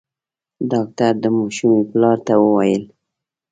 ډاکټر د ماشومي پلار ته وويل :